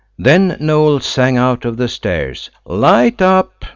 Then Noël sang out over the stairs, "Light up!"